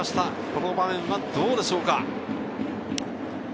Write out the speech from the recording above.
この場面はどうでしょうか？